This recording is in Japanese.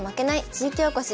地域おこし」。